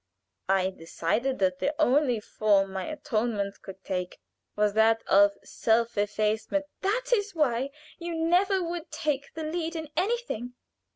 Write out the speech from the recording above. I decided that the only form my atonement could take was that of self effacement " "That is why you never would take the lead in anything."